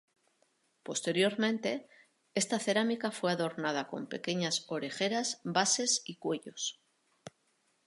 Posteriormente, esta cerámica fue adornada con pequeñas orejeras, bases y cuellos.